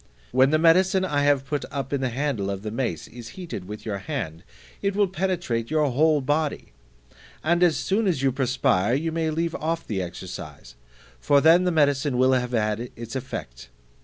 When the medicine I have put up in the handle of the mace is heated with your hand, it will penetrate your whole body; and as soon as you perspire, you may leave off the exercise, for then the medicine will have had its effect.